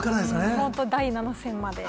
本当、第７戦まで。